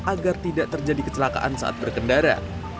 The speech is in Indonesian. agar tidak terjadi kecelakaan saat berkendara